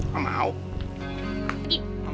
jangan lupa pergi